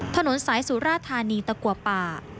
ถนนสายสุราธานีตะกัวป่า